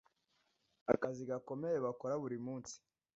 akazi gakomeye bakora buri munsi